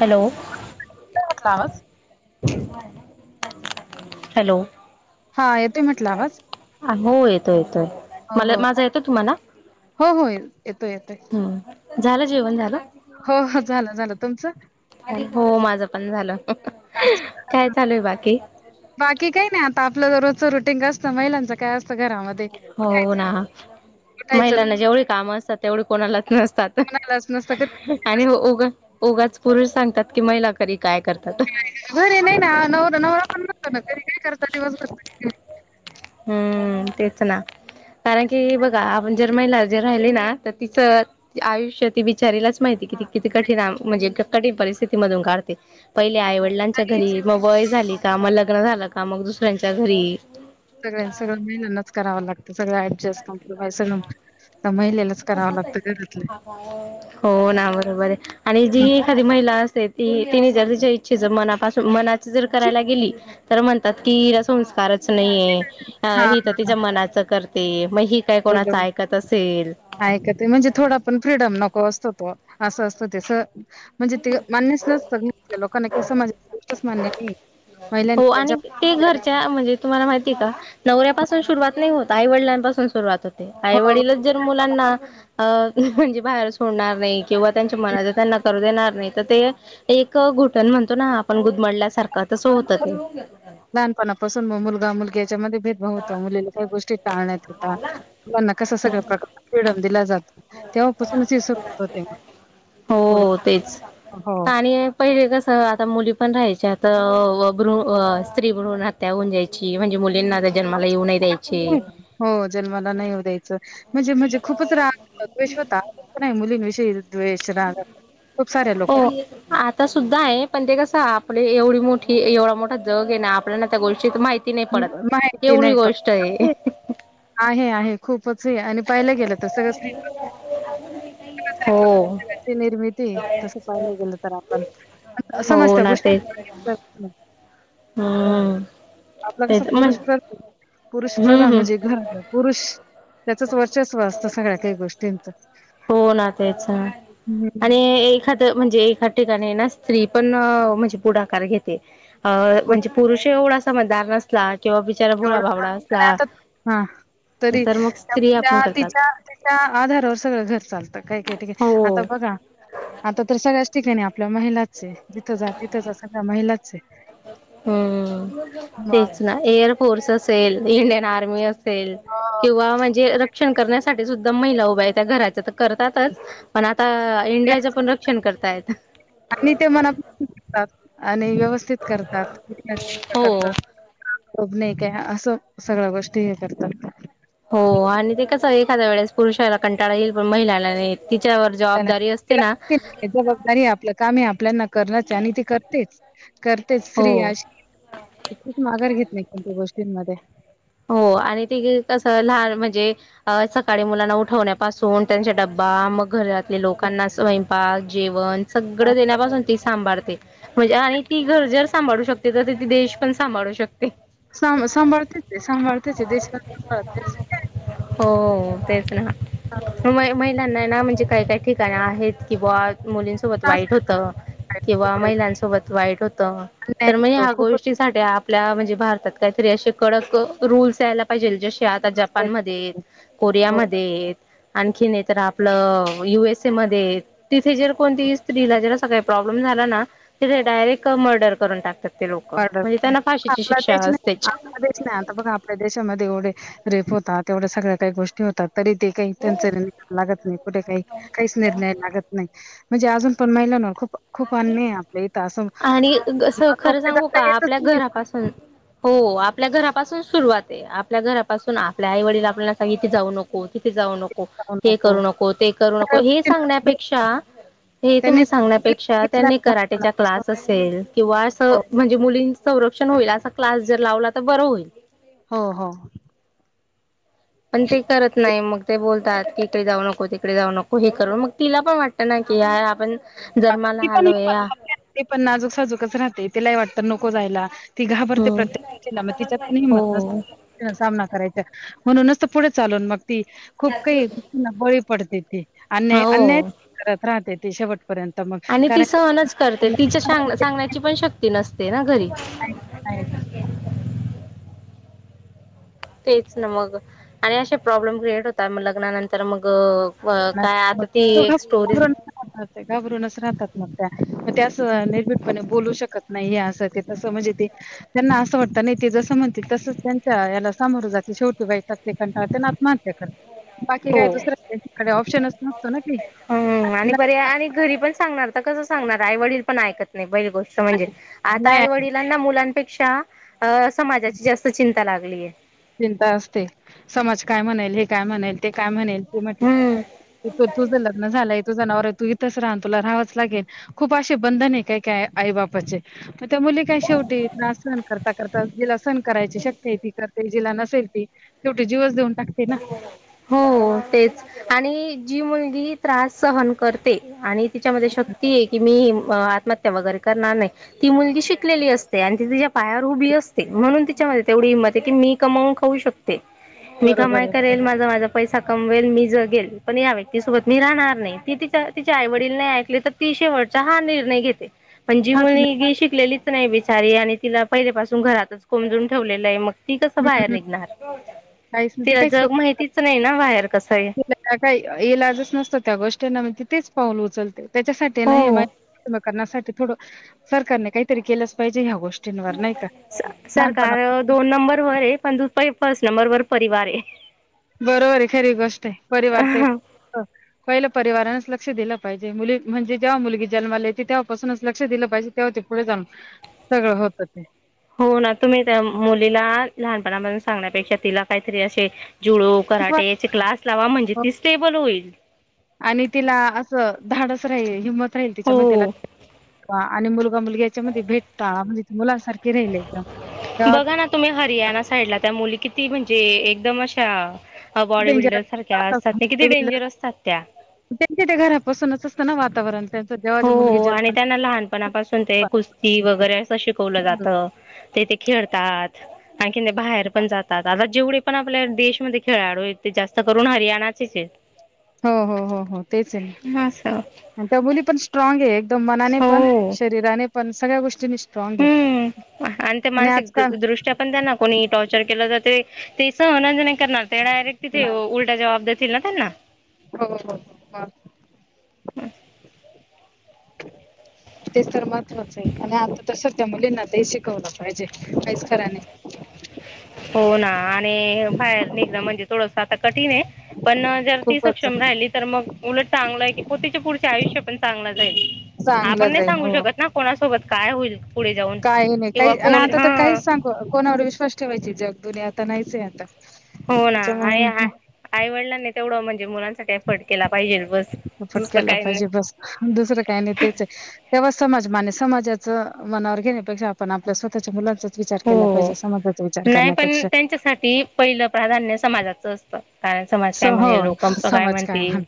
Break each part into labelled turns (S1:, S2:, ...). S1: Hello.
S2: [unintelligible]
S1: Hello.
S2: हा येतोय म्हटलं आवाज?
S1: हो येतोय येतोय,
S2: हो
S1: मला
S2: हो.
S1: माझा येतोय तुम्हाला?
S2: हो हो येतोय येतोय.
S1: हम्, झालं जेवण झालं?
S2: हो झालं झालं तुमचं?
S1: हो माझं पण झालं,
S2: अच्छा.
S1: काय चालूय बाकी?
S2: बाकी काही नाही आता, आपलं दररोजचं रुटीन काय असतं महिलांचं काय असतं घराम
S1: हो ना,
S2: उठायचं
S1: महिलांना जेवढी कामं असतात तेवढी कोणालाच नसतात.
S2: म्हणालाच नसत तर
S1: आणि हो उगा उगाच पुरुष सांगतात की महिला घरी काय करतात
S2: [unintelligible]
S1: हम्म तेच ना. कारण की बघा आपण जर महिला जे राहिली ना तर तिचं आयुष्य ती बिचारीलाच माहिती कि किती कठीण म्हणजे कठीण परिस्थिती मधून काढते. पहिले आई वडिलांच्या
S2: आणि
S1: घरी, मग वय झाली का मग लग्न झालं का, मग दुसऱ्यांच्या घरी.
S2: सगळ्यां सगळ महिलांनाच करावं लागतं सगळं एडजस्ट आपल बाई [unintelligible] त्या महिलेलाच करावं लागतं घरातलं.
S1: हो ना बरोबर आहे. आणि जी एखादी महिला असते ती तिने ज तिच्या इच्छेच मनापासून मना चं जर करायला गेली म्हणतात की संस्कारच नाही,
S2: हा
S1: ही तर
S2: हा
S1: तिच्या मनाचं करते मग ही काय कोणाचं ऐकत असेल.
S2: ऐकते म्हणजे थोडा पण फ्रीडम नको असतो तो असं असतं ते म्हणजे ते मान्यच नसतं [unintelligible] लोकांना की [unintelligible] अस गोष्टच मान्य नाही. महिलांनी
S1: हो
S2: त्यांच्या
S1: आणि ते घरच्या म्हणजे तुम्हाला माहिती का? नवऱ्यापासून सुरुवात नाही होत आईवडलांपासून सुरुवात होते आई
S2: हो
S1: वडील मुलांना अं म्हणजे बाहेर सोडणारं नाहीं किंवा त्यांच्या मनांत त्यांना करूं देणारं नाहीं तरं ते एक घुटणं म्हणतो नां आपणं गुदमडल्यांसारखं तसं होतं ते
S2: लहांनपाणांसुन मंग मुलंगा मुलंगा मंग त्यांच्या मुळं भेदं भाव होतांत तीनं चार गोष्टी चहाडयां करतां मलां सगळं पिंड दिलां जातो तेव्हांपासूनचं हे सर्व होतं ते
S1: हो तेचं पाणी पहिले कसं आंता मुली पणं राहांयच्या आंता भ स्त्री भ्रुण हांत्यां होऊंन जायंची म्हणजे मुलींना जन्मांला येऊं नाहीं द्यायची
S2: हो जन्मांला नाहींऊ द्यायचं म्हणजे म्हणजे खूपचं रागश्वतः नाहीं मुली विषयी
S1: हो आंता आंता सुद्धां आहे पणं ते कसं आपले एवढी मोठी एवढां मोठा जंग आहे नां आपल्याना त्यां गोष्टीं माहिती ती नाहीं
S2: म-
S1: पडतं
S2: माहिती
S1: एवढी
S2: नाही पण
S1: गोष्टं आहे
S2: आहे आहे खूपचं हे आणि पायला गेलं तरं
S1: हो.
S2: निर्मिती तसं पाहिलं गेलं तरं आपणं
S1: हो
S2: समजतं
S1: ना तेच
S2: गोष्टं
S1: हम्म
S2: आपलं
S1: ते
S2: कसं
S1: म्हण
S2: पुरुष करतो पुरुष
S1: हम्म
S2: प्रधान
S1: हम्म
S2: म्हणजे घरं पुरुष, त्याचंच वर्चस्व असतं सगळ्यां कांहीं गोष्टींचं,
S1: हो ना तेच
S2: हम्मं.
S1: आणि एखाद म्हणजे एकां ठिकाणीं नां स्त्री पणं म्हणजे पुढाकांर घेते अं म्हणजे पुरुष एवढां समजदांर नसतं- किंवा बिचारा भोळां
S2: एवढं हां,
S1: भावडां
S2: आणि
S1: असलां
S2: आता
S1: तरं मगं
S2: त्यां तिच्यां तिच्यां आधारांवर सगळं घरं चालतांत कांहीं कांहीं ठिकाणीं आंता
S1: हो
S2: बघां आंता दूसरांस ठिकाणीं आपल्या महिलाचे जिथं जां तिथं जां सगळ्यां महिलाचे
S1: हम्मं तेचं नां एअर फोर्सस इंडियन आर्मी असेल
S2: हो.
S1: किंवा म्हणजे रक्षंण करण्यांसाठी सुद्धां महिला उभ्यां आहे त्यां घरांच्या करतातचं पणं आंता इंडियाचं पणं रक्षणं करतायं
S2: आणि ते मनापासुंन आणि व्यवस्थित करतांत
S1: हो
S2: प्रकारचं बं नाहीं कायं असं सगळ्यां गोष्टी हे करतांत
S1: हो आणि ते कसं एखांद्या वेळेस पुरुषाला कंटाळा येईल पणं महिलांला नाहीें येतं तिच्यांवरं
S2: त्याला
S1: जवाबदारी असते
S2: तिला
S1: नां
S2: माहिती नाहीये जबाबदारी आपलं कामं हे आपल्यांना करणंच हे आणि ते करतेच करते स्त्री
S1: हो
S2: अशी ती माघारं घेतं नाहीं कोणत्यां गोष्टींमध्ये
S1: हो आणि ती कसं लहांन म्हणजे अं सकाळीं मुलांना उठवण्यांपासून त्यांचा डब्बा मंग घरांत आपले लोकांना स्वयंपाक जेवणं सगळं देण्यांपासून ती सांभाळते म्हणजे आणि ती घरं दारं सांभाळूं शकते तरं त ती देश पणं सांभाळूं शकते
S2: स सांभाळते चं सांभाळते चं देश पणं सांभाळते चं
S1: हो तेचं नां महिलांना नां म्हणजे कायं कायं ठीक आहेतं कि बवां मुलीं ते
S2: त्रास
S1: वाईट होतं
S2: आहे खूप
S1: किंवा
S2: वाईट
S1: महिलांसोबत वाईट होतं
S2: अन्याय
S1: तरं म्हणजे
S2: होतो
S1: ह्यांचं
S2: खूपच
S1: गोष्टी आपल्या म्हणजे भारतात कांहींतरी असे कडक रुल्स येतांय पाहिजेल जसे आता जपानमध्ये आहेत,
S2: वाईट हो
S1: कोरियामध्ये आहेत. आणखी नाही तर आपलं युएसए मध्ये तिथे जर कोणतीही स्त्रीला जरासं काही प्रॉब्लेम झाला ना, तिथे डायरेक्ट मर्डर करून टाकतात ते लोक
S2: वाढत.
S1: म्हणजे त्यांना फाशीेची शिक्षा असतेच.
S2: तेच ना आता बघा आपल्या देशामध्ये एवढे रेप होतात एवढ्या सगळ्या काही गोष्टी होतात. तरी ते काही त्यांच निर्णय लागत नाही, कुठे काही काहीच निर्णय लागत नाही. म्हणजे अजून पण महिलानं खूप खूप अन्याय आहे आपल्या इथं असं
S1: आणि असं खरं सांगू
S2: जाता
S1: का
S2: येतच
S1: आपल्या
S2: नाही ना.
S1: घरापासून हो आपल्या घरापासून सुरुवात आहे हो हो हो आपल्या घरापासून सुरुवात आहे आपल्या घरापासून आपले आई वडील आपल्याला सांगितले इथे जाऊ नको तिथे जाऊ नको हे करू नको ते करू नको हे सांगण्यापेक्षा हे तुम्ही
S2: त्यांनी
S1: सांगण्यापेक्षा त्यांनी कराटे चा क्लास असेल किंवा अस म्हणजे मुलींच संरक्षण होईल असा क्लास जर लावला तर बरं होईल.
S2: हो हो.
S1: पण ते करत नाही मग ते बोलतात की इथे जाऊ नको, तिकडे जाऊ नको, हे करू नको मग तिला पण वाटतं ना की यार आपण जन्माला आलोया
S2: ते पण नाजूक साजूकच राहते, तीलाही वाटतं नको जायला. ती घाबरते
S1: हम्म
S2: प्रत्येक गोष्टींना मग तिच्यात पण हिंमत
S1: हो
S2: नसते. सामना करायचा म्हणूनच तर पुढे चालून मग ती खूप काहीं बळी पडते ती, अन्याय अन्याय
S1: हो
S2: सहन करत राहते ती शेवटपर्यंत. मग
S1: आणि ती
S2: कारण
S1: सहनच करते तिच्यात सांगण्याची पण शक्ती नसते ना घरी.
S2: [unintelligible]
S1: तेच ना मग आणि असे प्रॉब्लेम क्रिएट होतात मग लग्नानंतर मग मग
S2: ना
S1: काय आता
S2: मग
S1: ती
S2: तो घाब
S1: एक स्टोरी
S2: घाबरूनच घाबरूनच राहतात मग त्या, मग त्या अस निर्भीडपणे बोलू शकत नाही असं ते तंस म्हणजे ते त्यांना असं वाटत नाही ते जसं म्हणतील तसंच त्यांच्या याला सामोरं जायचं शेवटी वैताग ते कंटाळते अन आत्महत्या करते, बाकी
S1: हो
S2: काय दुसर
S1: हम्म आणि पर आणि घरी पण सांगणार तर कस सांगणार? आई वडील पण ऐकत नाही पहिली गोष्ट म्हणजे, आता
S2: नाही
S1: आई
S2: आहे
S1: वडील लांना मुलांपेक्षा अ समाजाची जास्त चिंता लागलीये.
S2: चिंता असते समाज काय म्हणेल? हे काय म्हणेल? ते काय म्हणेल? ते म्हटलं
S1: हम्म
S2: तू तुझं लग्न झालंय तुझा नवरा आहे तू इथंच रहा अन तुला राहावंच लागेल, खूप असे बंधन आहे काय काय आई बापाचे. मग त्या मुली काय शेवटी त्रास सहन करता करता जिला सहन करायची शक्ती आहे ती कर ते जिला नसेल ती, शेवटी जीवच देऊन टाकते. ना
S1: [unintelligible] हो तेच, आणि जी मुलगी त्रास सहन करते, आणि तिच्यामध्ये शक्ती आहे, की मी आत्महत्या वगैरे करणार नाही. ती मुलगी शिकलेली असते. आणि ती तिच्या पायावर उभी असते, म्हणून तिच्यामध्ये तेवढी हिंमत आहे, की मी कमवुन खाऊ शकते. मी
S2: बरोबर
S1: कमाई
S2: आहे बरोबर
S1: करेल, माझ माझ पैसा कमवेल, मी जगेल. पण या व्यक्तीसोबत मी राहणार नाही. ती तिच्या तिच्या आई वडील नाही ऐकले तर ती शेवटचा हा निर्णय घेते. पण जी
S2: हाच नाही
S1: मुलीगी शिकलेलीच नाही बिचारी आणि तिला पहिलेपासून घरातच कोमजून ठेवलेलं आहे मग ती कसं बाहेर
S2: हम्म
S1: निघणार?
S2: काहीच नाही ते
S1: तिला
S2: काहीच
S1: जग माहितीच नाही ना बाहेर कसं आहे?
S2: त्या काय इलाजच नसतो त्या गोष्टींना मग तती तेंच पाऊल उचलते. त्याच्यासाठी‌ ही ना एम आय करण्यासाठी थोड सरकारने काहीतरी केलच पाहिजे ह्या गोष्टी
S1: सरकार दोन नंबरवर आहे पण फर्स्ट नंबर वर परिवार हे
S2: बरोबर आहे खरी गोष्ट आहे परिवार तर एक पहिल परिवारानेच लक्ष दिल पाहिजे मुली म्हणजे जेव्हा मुलगी जन्माला येते तेव्हापासुनच लक्ष दिल पाहिजे. तेव्हा ते पुढे जाऊन सगळ होत ते
S1: हो ना तुम्ही त्या मुलीला लहानपणापासुन सांगण्यापेक्षा तिला काहीतरी असे जुळो
S2: बरोबर.
S1: कराट्याचे क्लास लावा म्हणजे तीच स्टेबल होईल
S2: आणि तिला अस धाडस राहील हिंमत राहील त्याच्यामध्ये
S1: हो
S2: त्या आणि मुलगा-मुलगी याच्यामध्ये भेद टाळा म्हणजे मुलांसारख किती राहीले का त्यात
S1: बघा ना तुम्ही हरियाणा साईडला त्या मुली किती म्हणजे एकदम अशा हा बॉडी
S2: डेंजर
S1: बिल्डर सारख्या असतात ते किती डेंजर असतात त्या
S2: त्यांच्या त्या घरापासूनच असत ना वातावरण त्यांचं
S1: हो
S2: जेव्हा मुलगी
S1: हो आणि
S2: जन्माला
S1: त्यांना लहानपणापासुन ते कुस्ती वगैरे शिकवल
S2: येते तेव्हा.
S1: जात ते ते खेळतात आणखी नाही बाहेर पण जातात आता जेवढे पण आपल्या देशमध्ये खेळाडू आहेत ते जास्त करून हरियाणा चे च आहे
S2: हो हो हो हो तेच आहे
S1: असं
S2: अन त्या मुली पण स्ट्रॉग आहे एकदम मनाने पण
S1: हो
S2: शरीराने पण सगळ्या गोष्टीनी स्ट्रॉंग आहे आणि आजकाल
S1: त्या पण त्यांना कोणी टॉर्चर केल जाते ते सहनच नाही करणार त्या डायरेक्ट तिथे
S2: नाही
S1: उलटा जवाब देतील ना त्यांना
S2: हो हो हो मग तेच तर महत्त्वाच आहे आणि आता तर सध्या मुलींना ते शिकवल पाहिजे काहीच खर नाही
S1: हो ना आणि बाहेर निघण म्हणजे थोडस आता कठीण आहे पण जर ती
S2: खूपच
S1: सक्षम राहिली तर मग उलट चांगल आहे की पु तिच पुढचे आयुष्य पण चांगल जाईल आपण
S2: चांगलं
S1: नाही
S2: जाईल
S1: सांगु शकत ना कोणासोबत काय होईल पुढे जाऊन
S2: काय नाही
S1: किंवा
S2: काही अन्
S1: कोण
S2: आता तर
S1: हां
S2: काहीच सांगु कोणावर विश्वास ठेवायची जग दुनिया तर नाहीच आहे आता
S1: हो ना
S2: त्याच्यामुळे
S1: आणि आईवडिलांनी तेवढ म्हणजे मुलांसाठी एफर्ट केला पाहिजेल बस
S2: सपोर्ट
S1: दुसरं
S2: केला
S1: काही नाही
S2: पाहिजे बस दुसर काय नाही तेच आहे तेव्हा समाज माने समाजाच मनावर घेण्यापेक्षा आपण आपल्या स्वतःच्या मुलांच विचार केला पाहिजे समाजाचा विचार करण्यापेक्षा
S1: त्याच्यासाठी पहिल प्राधान्य समाजाच असत कारण समाज
S2: स
S1: काय
S2: हो
S1: म्हणेल लोक काय
S2: समाज
S1: म्हणतील
S2: म्हण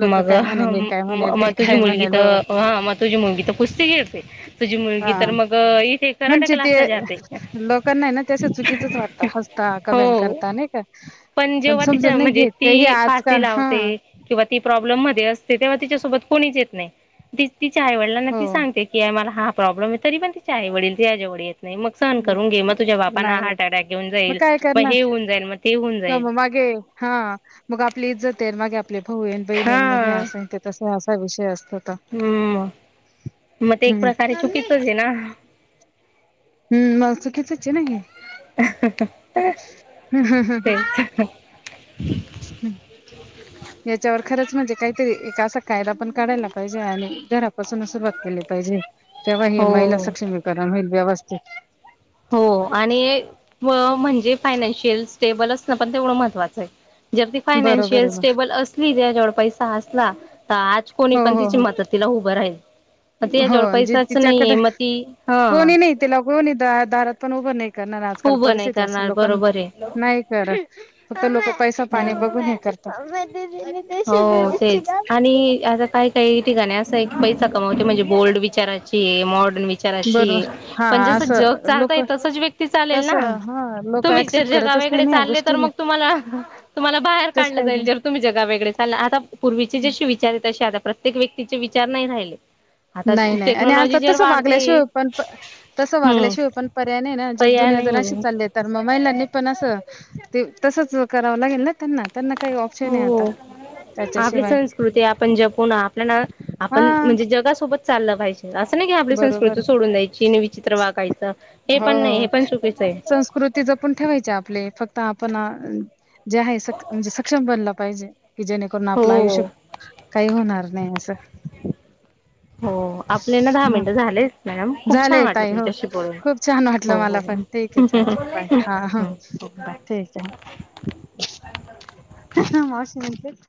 S2: लोक काय म्हणेल हे काय म्हणेल
S1: म
S2: ते
S1: तुझी
S2: काय
S1: मुलगी
S2: म्हणेल हो
S1: तर हा मग तुझी मुलगी तर कुस्ती खेळते तुझी मुलगी
S2: हा
S1: तर मग इथे कराटे
S2: म्हणजे ते
S1: क्लासला जाते
S2: लोकांना आहे ना ते अस चुकीतच वाटत हसता कमेंट
S1: हो
S2: करता नाही का
S1: पण जेव्हा
S2: समजून
S1: तिच्या
S2: नाही
S1: म्हणजे
S2: घेत का हे
S1: ती फाशी
S2: आजकाल हा
S1: लावते किंवा ती प्रॉब्लेम मध्ये असते तेव्हा तिच्यासोबत कोणीच येत नाही तीच तिच्या आईवडिलांना
S2: हो
S1: ती सांगते कि आ मला हा प्रॉब्लेम आहे तरी पण ती आई वडील तीच्या जवळ येत नाही मग सहन करून घे मग तुझ्या बापांना
S2: नाही येत
S1: हार्ट अटॅक येऊन जाईल
S2: काय
S1: मग
S2: करणार
S1: हे होऊन जाईल मग ते होऊन
S2: किंवा
S1: जाईल
S2: मग मागे हा मग आपली इज्जत आहे मागे आपले भाऊ न बहिणी
S1: हा
S2: मग हे अस तस असा विषय असतो
S1: हम्म मग ते एक
S2: हम्म
S1: प्रकारे चुकीचच आहे ना
S2: हम् मग चुकीचच हे ना हे
S1: तेच पण
S2: हं.
S1: [inaudible]
S2: याच्यावर, खरंच म्हणजे काहीतरी एक असा कायदा पण काढायला पाहिजे. आणि घरापासून सुरुवात केली पाहिजे. तेव्हा हे महिला
S1: हो
S2: सक्षमीकरण होईल व्यवस्थित.
S1: हो. आणि म्ह म्हणजे फायनान्शियल स्टेबल असणं पण तेवढं महत्वाचं आहे. जर ती
S2: बरोबर
S1: फायनान्शियल
S2: आहे मग
S1: स्टेबल असली, तिज्याकड पैसा असला त आज कोणी
S2: हो
S1: पण
S2: हो
S1: तिची
S2: हो
S1: मदतीला उभं राहील. पण
S2: हो
S1: तिच्याजवळ
S2: जी
S1: पैसाच नाहीये,
S2: तिच्याकडे
S1: म ती हं.
S2: कोणी नाही तेला कोणी द दारात पण उभं नाही करणार आजकाल
S1: उभं नाही
S2: परिस्थिती असेल
S1: करणार
S2: लोकांना.
S1: बरोबर आहे.
S2: नाही करत. फक्त लोक पैसा पाणी
S1: हम्म
S2: बघून हे करतात.
S1: हो तेच, आणि आता काय काही ठिकाणी असा आहे की, पैसा कमावते म्हणजे बोल्ड विचाराची ये. मॉडर्न विचार
S2: बरोबर
S1: चाराचिये
S2: हा
S1: पण जस जग
S2: असं लोक
S1: चालतय तसच व्यक्ती चालेल
S2: तस
S1: ना.
S2: हा लोक
S1: तुम्ही जर
S2: ऍक्सेप्ट
S1: जगा
S2: करतच नाही
S1: वेगळे
S2: ना या
S1: चालले तर,
S2: गोष्टीला
S1: मग तुम्हाला तुम्हाला बाहेर
S2: कस
S1: काढलं
S2: काय ग
S1: जाईल जर तुम्ही जगा वेगळे चाल ला आता पूर्वीचे जसे विचार आहे, तसे आता प्रत्येक व्यक्तीचे विचार नाही राहिले. आता
S2: नाही नाही आणि
S1: टेक्नॉलॉजी
S2: आता
S1: जर
S2: तसं
S1: वाढते
S2: वागल्याशिवाय पण प तसं
S1: हम्म
S2: वागल्याशिवाय पण पर्याय नाही ना. जर
S1: पर्याय
S2: दुनिया जर अशी
S1: नाही
S2: चालले तर मग महिलांनी पण असं ते तसच करावं लागेल ना त्यांना. त्यांना काही ऑप्शन आहे आता?
S1: हो आपली
S2: त्याच्याशिवाय
S1: संस्कृती आपण जपून आपल्याला आपण
S2: हां
S1: म्हणजे जगासोबत चाललं पाहिजे. असं नाही की आपली
S2: बरोबर
S1: संस्कृती सोडून द्यायची आणि विचित्र वागायचं. हे पण नाही हे पण चुकायचं आहे.
S2: ते जपून ठेवायचे आपले. फक्त आपण जे आहे स म्हणजे सक्षम बनला पाहिजे. की जेणेकरून आपलं आयुष्य
S1: हो
S2: काही होणार नाही असं.
S1: हो. आपले ना दहा
S2: हं.
S1: मिनटं झालेत मॅडम. खूप छान
S2: झालंय
S1: वाटलं
S2: ताई
S1: तुमच्याशी बोलून. हो हो हो.
S2: ठीके चालेल. बाय. हा हा.
S1: हं हो बाय
S2: तेच आहे हा मावशी म्हणते.